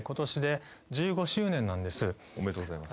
おめでとうございます。